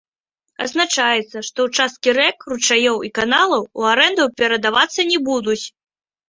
Адзначаецца, што ўчасткі рэк, ручаёў і каналаў у арэнду перадавацца не будуць.